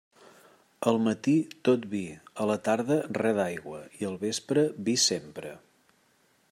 Al matí, tot vi; a la tarda, res d'aigua, i al vespre, vi sempre.